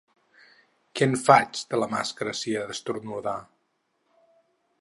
Què en faig, de la màscara, si he d’esternudar?